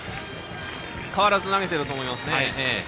変わらず投げていると思います。